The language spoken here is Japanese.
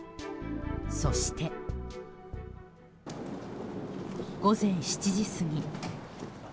そして、午前７時過ぎ。